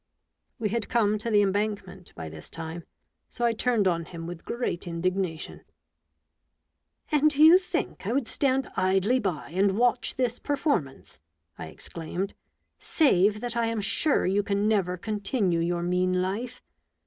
We had come to the Embankment by this time, so I turned on him with great indignation. 108 A BOOK OF BARGAINS. " And do you think I would stand idly by and watch this performance," I exclaimed, "save that I am sure you can never continue your mean life!